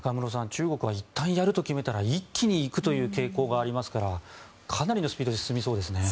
中国はいったんやると決めたら一気に行くという傾向がありますからかなりのスピードで進みそうですね。